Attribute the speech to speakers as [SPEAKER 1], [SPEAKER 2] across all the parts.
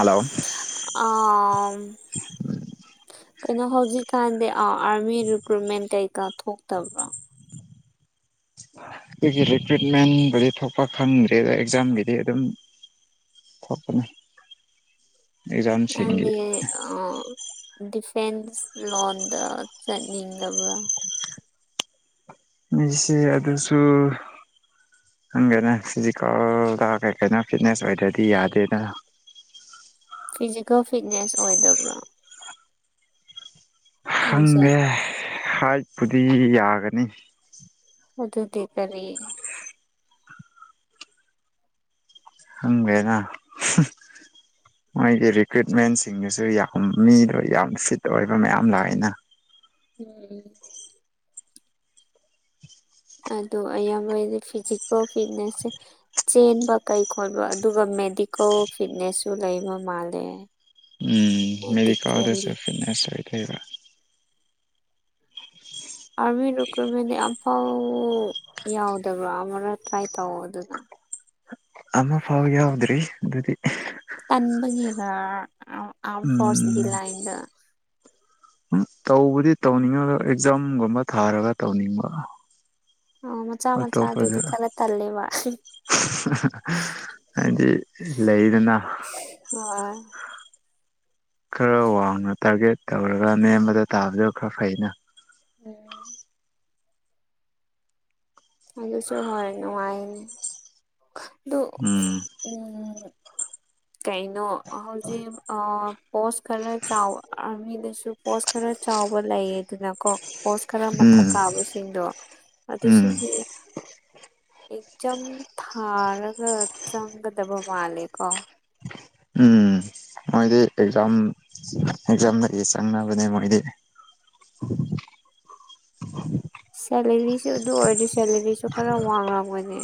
[SPEAKER 1] Hello
[SPEAKER 2] ꯑꯥ ꯀꯩꯅꯣ ꯍꯧꯖꯤꯛꯀꯥꯟꯗꯤ ꯑ ꯑꯥꯔꯃꯤ ꯔꯤꯀ꯭ꯔꯨꯠꯃꯦꯟ ꯀꯩꯀꯥ ꯊꯣꯛꯇꯕ꯭ꯔꯥ
[SPEAKER 1] ꯗꯨꯒꯤ ꯔꯤꯀ꯭ꯔꯨꯏꯠꯃꯦꯟꯕꯨꯗꯤ ꯊꯣꯛꯄ ꯈꯪꯗ꯭ꯔꯦꯗ ꯑꯦꯛꯖꯥꯝꯒꯤꯗꯤ ꯑꯗꯨꯝ ꯊꯣꯛꯄꯅꯦ
[SPEAKER 2] [unintelligible] ꯑ
[SPEAKER 1] ꯑꯦꯛꯖꯥꯝꯁꯤꯡꯒꯤ
[SPEAKER 2] ꯗꯤꯐꯦꯟꯁ ꯂꯣꯟꯗ ꯆꯠꯅꯤꯡꯉꯕ꯭ꯔꯥ
[SPEAKER 1] ꯃꯤꯁꯦ ꯑꯗꯨꯁꯨ ꯈꯪꯗꯦꯅ ꯐꯤꯖꯤꯀꯦꯜꯗ ꯀꯩ ꯀꯩꯅꯣ ꯐꯤꯠꯅꯦꯁ ꯑꯣꯏꯗ꯭ꯔꯗꯤ ꯌꯥꯗꯦꯗꯅ
[SPEAKER 2] ꯐꯤꯖꯤꯀꯦꯜ ꯐꯤꯠꯅꯦꯁ ꯑꯣꯏꯗꯕ꯭ꯔꯥ ꯅꯪꯁꯦ
[SPEAKER 1] ꯈꯪꯗꯦ ꯍꯥꯏꯠꯄꯨꯗꯤ ꯌꯥꯒꯅꯤ
[SPEAKER 2] ꯑꯗꯨꯗꯤ ꯀꯔꯤ
[SPEAKER 1] ꯍꯪꯒꯦꯅ ꯍꯨꯝ ꯃꯣꯏꯗꯤ ꯔꯤꯀ꯭ꯔꯨꯏꯠꯃꯦꯟꯁꯤꯡꯗꯨꯁꯨ ꯌꯥꯝ ꯃꯤꯗꯣ ꯌꯥꯝ ꯐꯤꯠ ꯑꯣꯏꯕ ꯃꯌꯥꯝ ꯂꯥꯛꯑꯦꯅ
[SPEAKER 2] [inaudible] ꯑꯗꯣ ꯑꯌꯥꯝꯕꯩꯗꯤ ꯐꯤꯖꯤꯀꯦꯜ ꯐꯤꯠꯅꯦꯁꯁꯦ ꯆꯦꯟꯕ ꯀꯩ ꯈꯣꯠꯄ ꯑꯗꯨꯒ ꯃꯦꯗꯤꯀꯦꯜ ꯐꯤꯠꯅꯦꯁꯁꯨ ꯂꯩꯕ ꯃꯥꯜꯂꯦ
[SPEAKER 1] ꯎꯝ ꯃꯦꯗꯤꯀꯦꯜꯗꯖꯨ
[SPEAKER 2] ꯃꯦꯗꯤꯀꯦꯜꯂꯤ
[SPEAKER 1] ꯐꯤꯠꯅꯦꯁ ꯂꯩꯈꯦꯕ
[SPEAKER 2] ꯑꯥꯔꯃꯤ ꯔꯤꯀ꯭ꯔꯨꯏꯠꯃꯦꯟ ꯑꯝꯐꯥꯎ ꯌꯥꯎꯗꯕ꯭ꯔꯥ ꯑꯃꯔ ꯇ꯭ꯔꯥꯏ ꯇꯧꯑꯣꯗꯅ
[SPEAKER 1] ꯑꯃ ꯐꯥꯎ ꯌꯥꯎꯗ꯭ꯔꯤ ꯑꯗꯨꯗꯤ
[SPEAKER 2] ꯇꯟꯕꯒꯤꯔ ꯑꯝ ꯑꯥꯝ ꯐꯣꯁꯀꯤ
[SPEAKER 1] ꯎꯝ
[SPEAKER 2] ꯂꯥꯏꯟꯗ
[SPEAKER 1] ꯇꯧꯕꯗꯤ ꯇꯧꯅꯤꯡꯉꯒ ꯑꯦꯛꯖꯥꯝꯒꯨꯝꯕ ꯊꯥꯔꯒ ꯇꯧꯅꯤꯡꯕ
[SPEAKER 2] ꯑꯣ ꯃꯆꯥ
[SPEAKER 1] ꯑꯇꯣꯞꯄꯗ
[SPEAKER 2] ꯃꯆꯥꯗꯨꯗꯤ ꯈꯔ ꯇꯜꯂꯦꯕ
[SPEAKER 1] ꯍꯥꯏꯗꯤ ꯂꯩꯗꯅ
[SPEAKER 2] [unintelligible]
[SPEAKER 1] ꯈꯔ ꯋꯥꯡꯅ ꯇꯥꯔꯒꯦꯠ ꯇꯧꯔꯒ ꯅꯦꯝꯕꯗ ꯇꯥꯕꯗꯣ ꯈꯔ ꯐꯩꯅ
[SPEAKER 2] [inaudible] ꯑꯗꯨꯁꯨ ꯍꯣꯏ ꯅꯨꯉꯥꯏꯅꯤ ꯈꯠ ꯗꯨ
[SPEAKER 1] ꯎꯝ
[SPEAKER 2] ꯑꯝ ꯀꯩꯅꯣ ꯍꯧꯖꯤꯛ ꯑ ꯄꯣꯁ ꯈꯔ ꯆꯥꯎ ꯑꯥꯔꯃꯤꯗꯁꯨ ꯄꯣꯁ ꯈꯔ ꯆꯥꯎꯕ ꯂꯩꯌꯦꯗꯅ ꯀꯣ ꯄꯣꯁ ꯈꯔ ꯃꯊꯛ
[SPEAKER 1] ꯎꯝ
[SPEAKER 2] ꯀꯥꯕꯁꯤꯡꯗꯣ
[SPEAKER 1] ꯎꯝ
[SPEAKER 2] ꯑꯗꯨꯁꯤꯡꯗꯤ ꯑꯦꯆꯝ ꯊꯥꯔꯒ ꯆꯪꯒꯗꯕ ꯃꯥꯂꯦꯀꯣ
[SPEAKER 1] ꯎꯝ ꯃꯣꯏꯗꯤ ꯑꯦꯛꯖꯥꯝ ꯑꯦꯛꯖꯥꯝꯗꯏ ꯆꯪꯅꯕꯅꯦ ꯃꯣꯏꯗꯤ [unintelligible]
[SPEAKER 2] ꯁꯦꯂꯔꯤꯁꯨ ꯑꯗꯨ ꯑꯣꯏꯔꯗꯤ ꯁꯦꯂꯔꯤꯁꯨ ꯈꯔ ꯋꯥꯡꯔꯝꯒꯅꯦ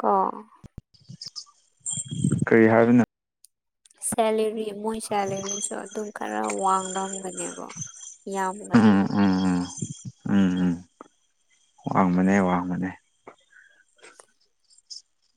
[SPEAKER 2] ꯀꯥ
[SPEAKER 1] ꯀꯩ ꯍꯥꯏꯕꯅꯥ
[SPEAKER 2] ꯁꯦꯂꯔꯤ ꯃꯣꯏ ꯁꯦꯂꯔꯤꯁꯨ ꯑꯗꯨꯝ ꯈꯔ ꯋꯥꯡꯔꯝꯒꯅꯦꯕ ꯌꯥꯝꯒꯅꯦꯕ
[SPEAKER 1] ꯎꯝ ꯎꯝ ꯎꯝ ꯎꯝ ꯎꯝ ꯋꯥꯡꯕꯅꯦ ꯋꯥꯡꯕꯅꯦ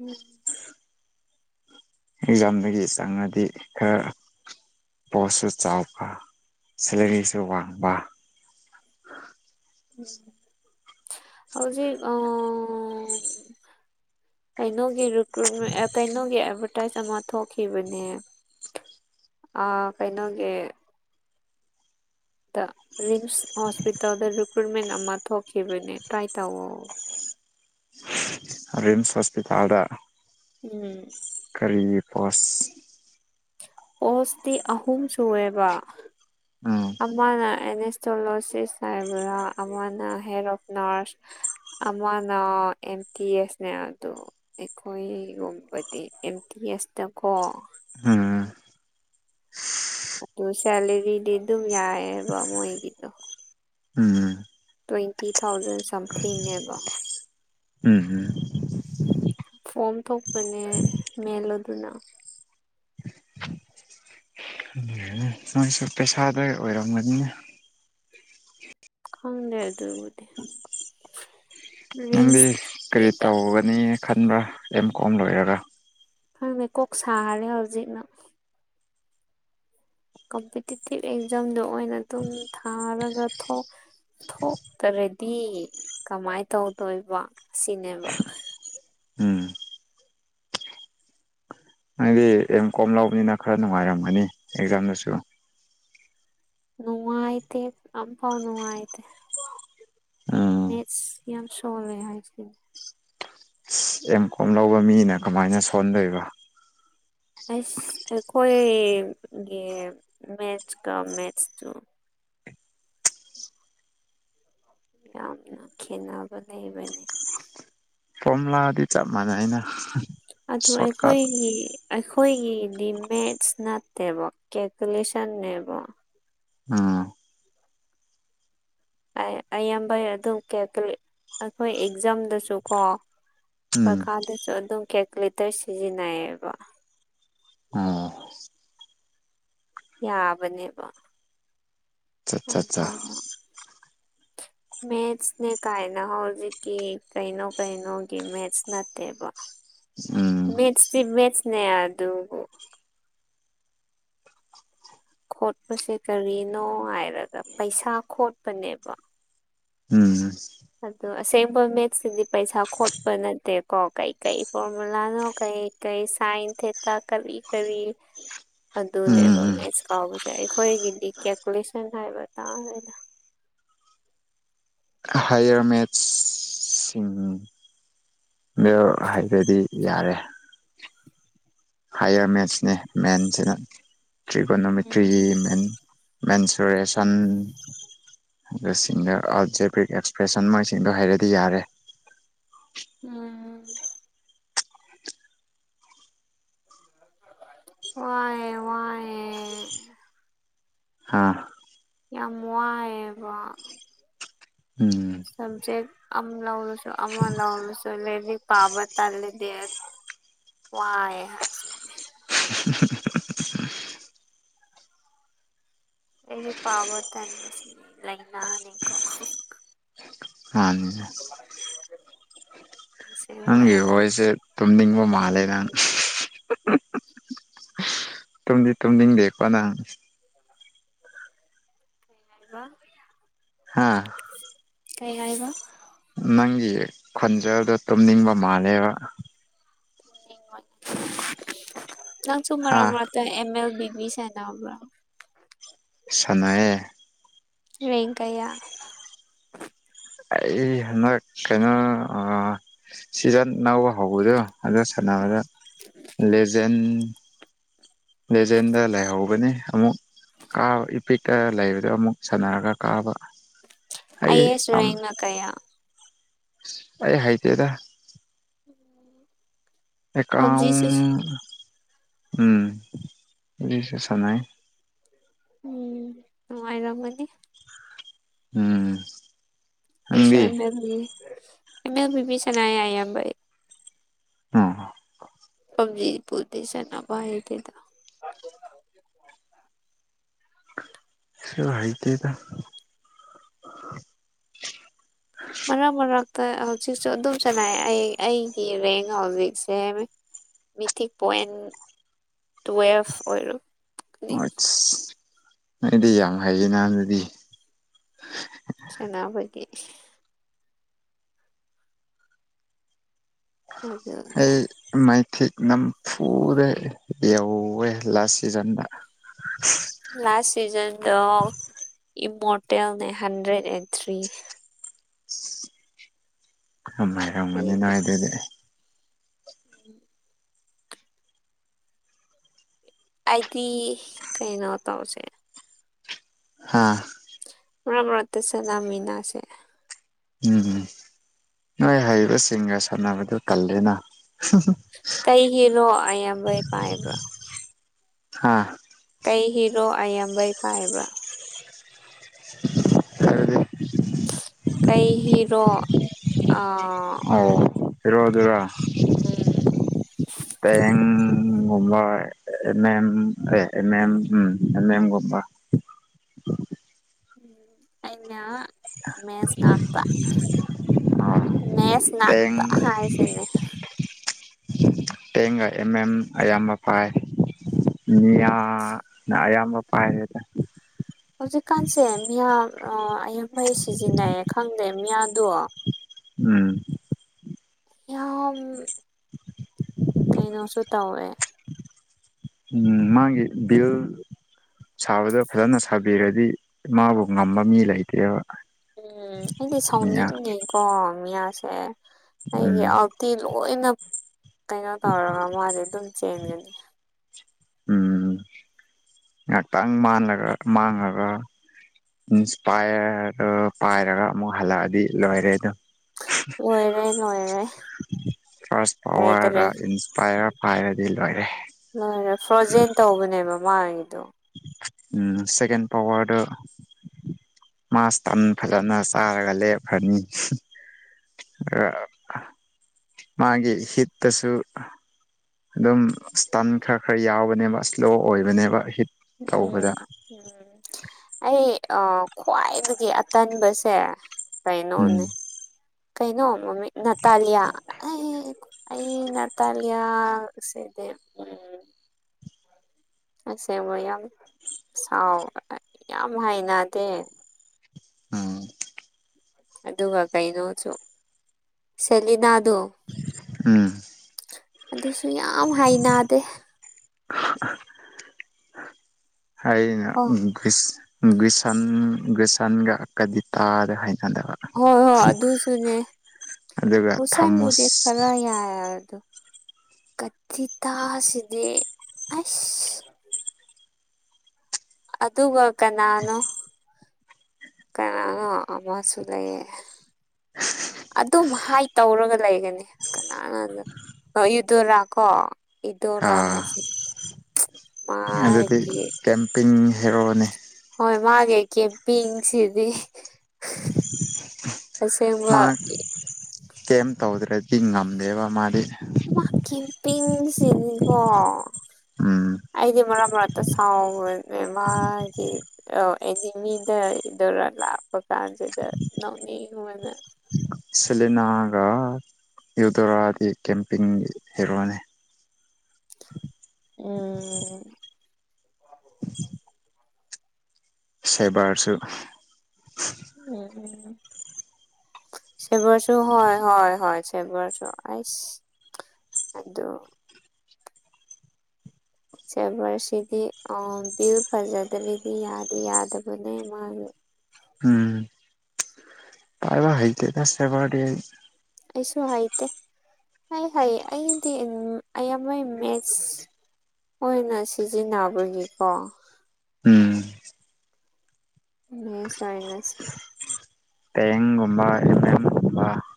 [SPEAKER 2] ꯎꯝ
[SPEAKER 1] ꯑꯦꯛꯖꯥꯝꯗꯒꯤ ꯆꯪꯉꯗꯤ ꯈꯔ ꯄꯣꯁꯁꯨ ꯆꯥꯎꯕ ꯁꯦꯂꯔꯤꯁꯨ ꯋꯥꯡꯕ
[SPEAKER 2] ꯍꯧꯖꯤꯛ ꯑ ꯀꯩꯅꯣꯒꯤ ꯔꯤꯀ꯭ꯔꯨ ꯑꯦ ꯀꯩꯅꯣꯒꯤ ꯑꯇꯁ ꯑꯃ ꯊꯣꯛꯈꯤꯕꯅꯦ ꯑꯥ ꯀꯩꯅꯣꯒꯤ ꯇꯥ ꯔꯤꯝꯁ ꯍꯣꯁꯄꯤꯇꯥꯜꯗ ꯔꯤꯀ꯭ꯔꯨꯏꯠꯃꯦꯟ ꯑꯃ ꯊꯣꯛꯈꯤꯕꯅꯦ ꯇ꯭ꯔꯥꯏ ꯇꯧꯋꫭ
[SPEAKER 1] ꯔꯤꯝꯁ ꯍꯣꯁꯄꯤꯇꯥꯜꯗ
[SPEAKER 2] ꯎꯝ
[SPEAKER 1] ꯀꯔꯤꯒꯤ ꯄꯣꯁ
[SPEAKER 2] ꯄꯣꯁꯇꯤ ꯑꯍꯨꯝ ꯁꯑꯦꯕ
[SPEAKER 1] ꯎꯝ
[SPEAKER 2] ꯑꯃꯅ ꯑꯦꯟ ꯑꯦꯁ ꯇꯣꯂꯣꯖꯤꯁ ꯍꯥꯏꯕ꯭ꯔꯥ ꯑꯃꯅ ꯍꯦꯠ ꯑꯣꯐ ꯅꯔꯁ ꯑꯃꯅ ꯑꯦꯝ ꯄꯤ ꯑꯦꯁꯅꯦ ꯑꯗꯨ ꯑꯩꯈꯣꯏꯒꯨꯝꯕꯗꯤ ꯑꯦꯝ ꯇꯤ ꯑꯦꯁꯇꯀꯣ
[SPEAKER 1] ꯎꯝ
[SPEAKER 2] ꯑꯗꯨ ꯁꯦꯂꯔꯤꯗꯤ ꯑꯗꯨꯝ ꯌꯥꯏꯑꯕ ꯃꯣꯏꯒꯤꯗꯣ
[SPEAKER 1] ꯎꯝ
[SPEAKER 2] ꯇ꯭ꯋꯦꯟꯇꯤ ꯊꯥꯎꯖꯟ ꯁꯝꯊꯤꯡꯅꯦꯕ
[SPEAKER 1] ꯎꯝ ꯎꯝ
[SPEAKER 2] ꯐꯣꯝ ꯊꯣꯛꯄꯅꯦ ꯃꯦꯜꯂ‌ꯣ ꯗꯨꯅ
[SPEAKER 1] [unintelligible] ꯅꯣꯏꯁꯨ ꯄꯩꯁꯥꯗ ꯑꯣꯏꯔꯝꯒꯅꯤ
[SPEAKER 2] ꯈꯪꯗꯦ ꯑꯗꯨꯕꯨꯗꯤ
[SPEAKER 1] ꯅꯪꯗꯤ ꯀꯔꯤ
[SPEAKER 2] ꯔꯤꯝꯁꯀꯤꯗ
[SPEAKER 1] ꯇꯧꯒꯅꯤ ꯈꯟꯕ꯭ꯔꯥ ꯑꯦꯝ ꯀꯣꯝ ꯂꯣꯏꯔꯒ
[SPEAKER 2] ꯈꯪꯗ‌ꯦ ꯀꯣꯛ ꯁꯥꯔꯦ ꯍꯧꯖꯤꯛꯅ ꯀꯝꯄꯤꯇꯤꯇꯤꯚ ꯑꯦꯛꯖꯥꯝꯗ‌ꯣ ꯑꯣꯏꯅ ꯗꯨꯝ ꯊꯥꯔꯒ ꯊ‌ꯣꯛ ꯊꯣꯛꯇꯔꯗꯤ ꯀꯃꯥꯏ ꯇꯧꯗꯣꯏꯕ ꯁꯤꯅꯦꯕ
[SPEAKER 1] ꯎꯝ ꯅꯪꯗꯤ ꯑꯦꯝ ꯀꯣꯝ ꯂꯧꯕꯅꯤꯅ ꯈꯔ ꯅꯨꯡꯉꯥꯏꯔꯝꯒꯅꯤ ꯑꯦꯛꯖꯥꯝꯗꯁꯨ
[SPEAKER 2] ꯅꯨꯉꯥꯏꯇꯦ ꯑꯝꯐꯧ ꯅꯨꯡꯉꯥꯏꯇ‌ꯦ
[SPEAKER 1] ꯎꯝ
[SPEAKER 2] ꯃꯦꯠꯁ ꯌꯥꯝ ꯁ‌ꯦꯜꯂ‌ꯦ ꯍꯥꯏꯁꯤꯟ
[SPEAKER 1] ꯑꯦꯝ ꯀꯣꯝ ꯂꯧꯕ ꯃꯤꯅ ꯀꯃꯥꯏꯅ ꯁꯣꯟꯗꯣꯏꯕ
[SPEAKER 2] ꯑꯁ ꯑꯩꯈꯣꯏꯒꯤ ꯃꯦꯠꯁꯀ ꯃꯦꯠꯁꯇꯨ ꯌꯥꯝꯅ ꯈꯦꯠꯅꯕ ꯂꯩꯕꯅꯦ
[SPEAKER 1] ꯐꯣꯝꯂꯗꯤ ꯆꯞ ꯃꯥꯟꯅꯩꯅ
[SPEAKER 2] ꯑꯗꯨ
[SPEAKER 1] ꯁꯣꯔꯠꯀꯠ
[SPEAKER 2] ꯑꯩꯈꯣꯏꯒꯤ ꯑꯩꯈꯣꯏꯒꯤꯗꯤ ꯃꯦꯠꯁ ꯅꯠꯇꯦꯕ ꯀꯦꯜꯀꯨꯂꯦꯁꯟꯅꯦꯕ
[SPEAKER 1] ꯎꯝ
[SPEAKER 2] ꯑ ꯑꯌꯥꯝꯕꯩ ꯑꯗꯨꯝ ꯀꯜꯀꯨꯂ‌ꯦꯠ ꯑꯩꯈꯣꯏ ꯑꯦꯛꯖꯥꯝꯗꯁꯨ ꯀꯣ
[SPEAKER 1] ꯎꯝ
[SPEAKER 2] ꯄꯔꯈꯥꯗꯁꯨ ꯑꯗꯨꯝ ꯀꯦꯀꯨꯂꯦꯇꯔ ꯁꯤꯖꯤꯟꯅꯩꯌꯦꯕ
[SPEAKER 1] ꯑ
[SPEAKER 2] ꯌꯥꯕꯅꯦꯕ
[SPEAKER 1] ꯆꯠ ꯆꯥ
[SPEAKER 2] ꯑꯗꯨꯒ ꯃꯦꯠꯁꯅꯦ ꯀꯥꯏꯅ ꯍꯧꯖꯤꯛꯀꯤ ꯀꯩꯅꯣ ꯀꯩꯅꯣꯒꯤ ꯃꯦꯠꯁ ꯅꯠꯇꯦꯕ
[SPEAKER 1] ꯎꯝ
[SPEAKER 2] ꯃꯦꯠꯁꯇꯤ ꯃꯦꯠꯁꯅꯦ ꯑꯗꯨꯕꯨ ꯈꯣꯠꯄꯁꯦ ꯀꯔꯤꯅꯣ ꯍꯥꯏꯔꯒ ꯄꯩꯁꯥ ꯈꯣꯠꯄꯅꯦꯕ
[SPEAKER 1] ꯎꯝ
[SPEAKER 2] ꯑꯗ‌ꯣ ꯑꯁꯦꯡꯕ ꯃꯦꯠꯁꯁꯤꯗꯤ ꯄꯩꯁꯥ ꯈꯣꯠꯄ ꯅꯠꯇꯦꯀꯣ ꯀꯩꯀꯩ ꯐꯣꯔꯃꯨꯂꯥꯅꯣ ꯀꯩ ꯀꯩ ꯁꯥꯏꯟ ꯊ‌ꯦꯠꯇꯥ ꯀꯔꯤ ꯀꯔꯤ ꯑꯗꯨꯅꯦꯕ
[SPEAKER 1] ꯎꯝ
[SPEAKER 2] ꯃꯦꯠꯁ ꯀꯥꯎꯕꯁꯨ ꯑꯩꯈꯣꯏꯒꯤꯗꯤ ꯀꯦꯜꯀꯨꯂꯦꯁꯟ ꯍꯥꯏꯕ ꯇꯥꯔꯦꯗ
[SPEAKER 1] ꯍꯥꯏꯌꯔ ꯃꯦꯠꯁꯁꯤꯡ ꯗ‌ꯣ ꯍꯥꯏꯐ‌ꯦꯠꯗꯤ ꯌꯥꯔꯦ ꯍꯥꯏꯌꯔ ꯃꯦꯠꯁꯅꯦ ꯃꯦꯟꯁꯤꯅ ꯇ꯭ꯔꯤꯒꯣꯅꯣꯃꯤꯇ꯭ꯔꯤ
[SPEAKER 2] ꯎꯝ
[SPEAKER 1] ꯃꯦꯟ ꯃꯦꯟꯁꯨꯔꯦꯁꯟ ꯑꯗꯨꯁꯤꯡꯗ‌ꯣ ꯑꯜꯖꯦꯕ꯭ꯔꯤꯛ ꯑꯦꯛꯁꯄ꯭ꯔꯦꯁꯟ ꯃꯣꯏꯁꯤꯡꯗꯣ ꯍꯩꯔꯗꯤ ꯌꯥꯔꯦ
[SPEAKER 2] ꯎꯝ ꯋꯥꯑꯦ ꯋꯥꯏꯌꯦ
[SPEAKER 1] ꯍꯥꯥ
[SPEAKER 2] ꯌꯥꯝ ꯋꯥꯏꯑꯕ
[SPEAKER 1] ꯎꯝ
[SPEAKER 2] ꯁꯝꯖ‌ꯦꯛ ꯑꯝ ꯂꯧꯔꯁꯨ ꯑꯃ ꯂꯧꯔꯁꯨ ꯂꯥꯏꯔꯤꯛ ꯄꯥꯕ ꯇꯜꯂ‌ꯦꯗꯦ ꯋꯥꯏꯑꯦ ꯍꯥꯏꯁꯤꯅꯦ
[SPEAKER 1] [unintelligible]
[SPEAKER 2] ꯂꯔꯤꯛ ꯄꯥꯕ ꯇꯅꯕꯁꯤꯗꯤ ꯂꯩꯛꯅꯥꯅꯦꯀꯣ
[SPEAKER 1] ꯍꯥꯟꯅ
[SPEAKER 2] ꯁꯤꯡ [unintelligible]
[SPEAKER 1] ꯈꫭꯏꯁꯦ ꯇꯨꯝꯅꯤꯡꯕ ꯃꯥꯜꯂꯦ ꯅꯪ ꯇꯨꯝꯗꯤ ꯇꯨꯝꯅꯤꯡꯗꯦꯀꯣ ꯅꯪ
[SPEAKER 2] ꯀꯔꯤ ꯍꯥꯏꯕ
[SPEAKER 1] ꯍꯥꯥ
[SPEAKER 2] ꯀꯩ ꯍꯥꯏꯕ
[SPEAKER 1] ꯅꯪꯒꯤ ꯈꯣꯟꯖꯦꯜꯗꯣ ꯇꯨꯝꯅꯤꯡꯕ ꯃꯥꯜꯂꯦꯕ
[SPEAKER 2] ꯇꯨꯝꯅꯤꯡꯉꯣꯏ ꯅꯪꯁꯨ
[SPEAKER 1] ꯍꯥ
[SPEAKER 2] ꯃꯔꯛ ꯃꯔꯛ ꯇ ꯑꯦꯝ ꯑꯦꯜ ꯕꯤꯕꯤ ꯁꯦꯅꯕ
[SPEAKER 1] ꯁꯅꯩꯌꯦ
[SPEAKER 2] ꯔꯦꯡ ꯀꯌꯥ
[SPEAKER 1] ꯑꯩ ꯍꯟꯗꯛ ꯀꯩꯅꯣ ꯁꯤꯖꯟ ꯅꯧꯕ ꯍꯧꯕꯗꯨ ꯑꯗꯨ ꯁꯥꯟꯅꯔꯒ ꯂꯦꯖꯦꯟ ꯂꯦꯖꯦꯟꯗ ꯂꯩꯍꯧꯕꯅꯦ ꯑꯃꯨꯛ ꯀꯥꯕ ꯏꯄꯤꯛꯇ ꯂꯩꯕꯗ ꯑꯃꯨꯛ ꯁꯥꯟꯅꯔꯒ ꯀꯥꯕ ꯑꯩ ꯌꯥꯝ
[SPEAKER 2] ꯑꯥꯏꯌꯦꯁꯨꯌꯦꯡꯅ ꯀꯌꯥ
[SPEAKER 1] ꯑꯩ ꯍꯩꯇꯦꯗ ꯑꯦꯀꯥꯎ
[SPEAKER 2] ꯄꯞꯖꯤꯁꯨ
[SPEAKER 1] ꯎꯝ ꯍꯨꯖꯤꯛꯁꯨ ꯁꯅꯩ
[SPEAKER 2] ꯎꯝ ꯅꯨꯉꯥꯏꯔꯝꯒꯅꯤ
[SPEAKER 1] ꯎꯝ
[SPEAKER 2] ꯑꯩꯁꯨ
[SPEAKER 1] ꯅꯪꯗꯤ
[SPEAKER 2] ꯑꯦꯝ ꯕꯦꯝ ꯑꯦꯝꯃꯦꯝ ꯕꯤꯕꯤ ꯁꯅꯩ ꯏꯌꯥꯝꯕ ꯑꯩ
[SPEAKER 1] ꯎꯝ
[SPEAKER 2] ꯄꯝꯖꯤ ꯄꯨꯗꯤ ꯁꯅ ꯍꯩꯇꯗ
[SPEAKER 1] ꯑꯩꯁꯨ ꯍꯩꯇꯦꯗ
[SPEAKER 2] ꯃꯔꯛ ꯃꯔꯛꯇ ꯍꯧꯖꯤꯛꯁꯨ ꯑꯗꯨꯝ ꯁꯅꯩ ꯑꯩ ꯑꯩꯒꯤ ꯔꯦꯡ ꯍꯧꯖꯤꯛꯁꯦ ꯃꯤꯊꯤꯛ ꯄꯣꯏꯟ ꯇꯨꯋꯦꯜꯐ ꯑꯣꯏꯔꯝ
[SPEAKER 1] ꯑꯣꯁ ꯅꯣꯏꯗꯤ ꯌꯥꯝ ꯍꯩꯌꯦ ꯅ ꯑꯗꯨꯗꯤ
[SPEAKER 2] ꯆꯅꯥꯕꯒꯤ ꯑꯗꯨꯅꯦ
[SPEAKER 1] ꯍꯩ ꯃꯥꯏ ꯊꯤꯛ ꯅꯝ ꯐꯨꯗ ꯌꯧꯌꯦ ꯂꯥꯁ ꯁꯤꯖꯟꯗ
[SPEAKER 2] ꯂꯥꯁ ꯁꯤꯖꯟꯗꯣ ꯏꯝꯃꯣꯔꯇꯦꯜꯅꯦ ꯍꯟꯗ꯭ꯔꯦꯠ ꯑꯦꯟ ꯊ꯭ꯔꯤ
[SPEAKER 1] ꯌꯥꯝ ꯍꯥꯏꯔꯝꯒꯅꯤ ꯅ
[SPEAKER 2] ꯑꯩꯒꯤ
[SPEAKER 1] ꯑꯗꯨꯗꯤ
[SPEAKER 2] ꯑꯥꯥꯏꯗꯤ ꯀꯩꯅꯣ ꯇꯧꯁꯦ
[SPEAKER 1] ꯍꯥꯥ
[SPEAKER 2] ꯃꯔꯛ ꯃꯔꯛꯇ ꯁꯅꯥꯃꯤꯟꯅꯁꯦ
[SPEAKER 1] ꯎꯝ ꯅꯣꯏ ꯍꯩꯕꯁꯤꯡꯒ ꯁꯥꯟꯅꯕꯗꯨ ꯇꯜꯂꯦꯅ
[SPEAKER 2] ꯀꯩꯒꯤꯅꯣ ꯑꯌꯥꯝꯕꯩ ꯄꯥꯏꯕ꯭ꯔꯣ
[SPEAKER 1] ꯍꯥꯥ
[SPEAKER 2] ꯀꯩꯒꯤꯅꫭ ꯑꯌꯥꯝꯕꯩ ꯄꯥꯏꯕ꯭ꯔꯣ
[SPEAKER 1] ꯈꯔꯗꯤ
[SPEAKER 2] ꯀꯩ ꯍꯤꯔꯣ ꯑ
[SPEAKER 1] ꯑꯧ ꯍꯦꯔꯣꯗꯨꯔꯣ
[SPEAKER 2] ꯎꯝ꯫
[SPEAKER 1] ꯇꯦꯡꯒꯨꯝꯕ ꯑꯦꯝ ꯑꯦꯝ ꯑꯦ ꯑꯦꯝ ꯑꯦꯝ ꯎꯝ ꯑꯦꯝ ꯑꯦꯝ ꯒꯨꯝꯕ꯫
[SPEAKER 2] ꯎꯝ ꯑꯩꯅ ꯃꯦꯁꯉꯥꯛꯄ꯫ ꯃꯦꯁ
[SPEAKER 1] ꯇꯦꯡ
[SPEAKER 2] ꯉꯥꯛꯄ ꯍꯥꯏꯁꯤꯅꯦ꯫
[SPEAKER 1] ꯇꯦꯡꯒ ꯑꯦꯝ ꯑꯦꯝ ꯑꯌꯥꯝꯕ ꯄꯥꯏ꯫ ꯃꯤꯌꯥꯅ ꯑꯌꯥꯝꯕ ꯄꯥꯏꯌꯦꯗ꯫
[SPEAKER 2] ꯍꯧꯖꯤꯛꯀꯥꯟꯁꯦ ꯃꯤꯌꯥ ꯑꯣ ꯑꯌꯥꯝꯕꯩ ꯁꯤꯖꯤꯟꯅꯩ ꯈꯪꯗꯦ ꯃꯤꯌꯥꯗꯣ꯫
[SPEAKER 1] ꯎꯝ꯫
[SPEAKER 2] ꯌꯥꯝ ꯀꯩꯅꯣꯁꯨ ꯇꯧꯋꯦ꯫
[SPEAKER 1] ꯎꯝ ꯃꯥꯒꯤ ꯕꯤꯜ ꯁꯥꯕꯗꯣ ꯐꯖꯅ ꯁꯥꯕꯤꯔꯗꯤ ꯃꯥꯕꯨ ꯉꯝꯕ ꯃꯤ ꯂꯩꯇꯦꯕ꯫
[SPEAKER 2] ꯎꯝ ꯑꯩꯗꯤ
[SPEAKER 1] ꯃꯤꯌꯥ
[SPEAKER 2] ꯁꯥꯎꯅꯤꯡꯉꯦꯀꯣ ꯃꯤꯌꯥꯁꯦ ꯑꯩꯒꯤ
[SPEAKER 1] ꯎꯝ
[SPEAKER 2] ꯑꯜ ꯇꯤ ꯂꯣꯏꯅ ꯀꯩꯅꯣ ꯇꯧꯔꯒ ꯃꯥꯗꯤ ꯑꯗꯨꯝ ꯆꯦꯟꯒꯅꯤ꯫
[SPEAKER 1] ꯎꯝ꯫ ꯉꯥꯛꯇꯪ ꯃꯥꯟꯂꯒ ꯃꯥꯡꯉꯒ꯫ ꯏꯟꯁꯄꯥꯌꯔ ꯄꯥꯏꯔꯒ ꯑꯃꯨꯛ ꯍꯜꯂꯛꯑꯗꯤ ꯂꯣꯏꯔꯦ ꯑꯗꯣ꯫
[SPEAKER 2] ꯂꯣꯏꯔꯦ ꯂꯣꯏꯔꯦ
[SPEAKER 1] ꯐꯥꯔꯁ
[SPEAKER 2] ꯂꯩꯇꯔꯦ
[SPEAKER 1] ꯄꯥꯋꯔꯔꯥ ꯏꯟꯁ ꯄꯥꯏꯌꯔ ꯄꯥꯏꯔꯗꯤ ꯂꯣꯏꯔꯦ꯫
[SPEAKER 2] ꯂꯣꯏꯔꯦ ꯐ꯭ꯔꯣꯖꯦꯟ ꯇꯧꯕꯅꯦꯕ ꯃꯥꯒꯤꯗꯣ꯫
[SPEAKER 1] ꯎꯝ ꯁꯦꯀꯦꯟ ꯄꯧꯋꯥꯔꯗꯣ ꯃꯥ ꯁ꯭ꯇꯟ ꯐꯖꯅ ꯆꯥꯔꯒ ꯂꯦꯞꯈ꯭ꯔꯅꯤ꯫ [unintelligible] ꯃꯥꯒꯤ ꯍꯤꯠꯇꯁꯨ ꯑꯗꯨꯝ ꯏꯁꯇꯟ ꯈꯔ ꯈꯔ ꯌꯥꯎꯕꯅꯦꯕ ꯏꯁꯂꯣ ꯑꯣꯏꯕꯅꯦꯕ ꯍꯤꯠ ꯇꯧꯕꯗ
[SPEAKER 2] ꯎꯝ꯫ ꯎꯝ ꯑꯩ ꯑꯥ ꯈ꯭ꯋꯥꯏꯗꯒꯤ ꯑꯇꯟꯕꯁꯦ
[SPEAKER 1] ꯎꯝ
[SPEAKER 2] ꯀꯩꯅꯣꯅꯦ ꯀꯩꯅꯣ ꯃꯃꯤꯡ ꯅꯥꯇꯥꯂꯤꯌꯥ ꯑꯦ꯫ ꯑꯩ ꯅꯥꯇꯥꯂꯤꯌꯥꯁꯤꯗꯤ ꯎꯝ ꯑꯁꯦꯡꯕ ꯌꯥꯝ ꯁꯥꯎ ꯌꯥꯝ ꯍꯩꯅꯗꯦ꯫
[SPEAKER 1] ꯎꯝ꯫
[SPEAKER 2] ꯑꯗꯨꯒ ꯀꯩꯅꯣꯁꯨ ꯁꯦꯂꯤꯅꯥꯗꯣ꯫
[SPEAKER 1] ꯎꯝ꯫
[SPEAKER 2] ꯑꯗꯨꯁꯨ ꯌꯥꯝ ꯍꯩꯅꯗꯦ꯫
[SPEAKER 1] ꯑꯩꯅ
[SPEAKER 2] ꯑꯣ
[SPEAKER 1] ꯎꯝ ꯒꯨꯁ ꯒꯨꯏꯁꯟ ꯒꯨꯁꯟꯒ ꯀꯗꯤꯇꯥꯗꯣ ꯍꯩꯅꯗꯕ꯫
[SPEAKER 2] ꯍꯣꯏ ꯍꯣꯏ ꯑꯗꯨꯁꯨꯅꯦ
[SPEAKER 1] ꯑꯗꯨꯒ ꯊꯥꯃꯨꯁ
[SPEAKER 2] ꯒꯨꯁꯟꯕꯨꯗꯤ ꯈꯔ ꯌꯥꯏ ꯑꯗꯣ꯫ ꯀꯗꯤꯇꯥꯁꯤꯗꯤ ꯑꯁ꯫ ꯑꯗꯨꯒ ꯀꯅꯥꯅꯣ꯫ ꯀꯅꯥꯅꯣ ꯑꯃꯁꯨ ꯂꯩꯌꯦ꯫ ꯑꯗꯨꯝ ꯍꯥꯏꯠ ꯇꯧꯔꯒ ꯂꯩꯒꯅꯤ ꯀꯅꯥꯅꯣ ꯑꯗꯨ꯫ ꯑ ꯏ꯭ꯌꯨꯗꯣꯔꯥ ꯀꯣ ꯏꯗꯣꯔꯥ
[SPEAKER 1] ꯑꯥ
[SPEAKER 2] ꯍꯥꯏꯁꯦ꯫
[SPEAKER 1] ꯑꯗꯨꯗꯤ
[SPEAKER 2] ꯃꯥꯒꯤ
[SPEAKER 1] ꯀꯦꯝꯄꯤꯡ ꯍꯦꯔꯣꯅꯦ꯫
[SPEAKER 2] ꯍꯣꯏ ꯃꯥꯒꯤ ꯀꯦꯝꯄꯤꯡꯁꯤꯗꯤ꯫ ꯑꯁꯦꯡꯕ꯫
[SPEAKER 1] ꯃꯥ ꯀꯦꯝ ꯇꯧꯗ꯭ꯔꯗꯤ ꯉꯝꯗꯦꯕ ꯃꯥꯗꯤ꯫
[SPEAKER 2] ꯃꯥ ꯀꯦꯝꯄꯤꯡ ꯁꯤꯅꯤꯀꯣ
[SPEAKER 1] ꯎꯝ
[SPEAKER 2] ꯑꯩꯗꯤ ꯃꯔꯛ ꯃꯔꯛꯇ ꯁꯥꯎꯕꯅꯦ ꯃꯥꯒꯤ ꯑ ꯑꯦꯅꯤꯃꯤꯗ [unintelligible] ꯂꯥꯛꯄ ꯀꯥꯟꯁꯤꯗ ꯅꯣꯛꯅꯤꯡꯕꯅꯥ
[SPEAKER 1] ꯁꯦꯂꯤꯅꯥꯒ ꯌꯨꯗꯣꯔꯥꯗꯤ ꯀꯦꯝꯄꯤꯡ ꯍꯦꯔꯣꯅꯦ
[SPEAKER 2] ꯎꯝ
[SPEAKER 1] ꯁꯦꯕꯔꯁꯨ
[SPEAKER 2] ꯎꯝ ꯎꯝ ꯁꯦꯕꯔꯁꯨ ꯍꯣꯏ ꯍꯣꯏ ꯍꯣꯏ ꯁꯦꯕꯔꯁꯨ ꯑꯩꯁ ꯑꯗꯨ ꯁꯕꯔꯁꯤꯗꯤ ꯑꯥ ꯕꯤꯌꯨ ꯐꯖꯗ꯭ꯔꯗꯤ ꯌꯥꯗꯤ ꯌꯥꯗꯕꯅꯦ ꯃꯥꯒꯤ
[SPEAKER 1] ꯎꯝ ꯍꯩꯇꯦꯗꯥ ꯁꯦꯕꯔꯗꯤ
[SPEAKER 2] ꯑꯩꯁꯨ ꯍꯩꯇꯦ ꯑꯩ ꯍꯩ ꯑꯩꯗꯤ ꯑꯌꯥꯝꯕ ꯃꯦꯠꯁ ꯑꯣꯏꯅ ꯁꯤꯖꯤꯟꯅꯕꯒꯤꯀꯣ
[SPEAKER 1] ꯎꯝ
[SPEAKER 2] ꯃꯦꯁ ꯑꯣꯏꯅ ꯁꯤ
[SPEAKER 1] [unintelligible]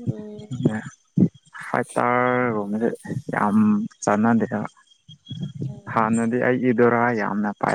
[SPEAKER 2] ꯎꯝ
[SPEAKER 1] ꯍꯥꯏꯇꯥꯔ ꯒꯨꯝꯕꯗꯤ ꯌꯥꯝ ꯆꯥꯟꯅ [unintelligible]
[SPEAKER 2] ꯎꯝ
[SPEAKER 1] ꯍꯥꯟꯅꯗꯤ ꯑꯩ ꯏꯗꯨꯔꯥ ꯌꯥꯝꯅ ꯄꯥꯏ